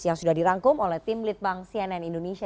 yang sudah dirangkum oleh tim litbang cnn indonesia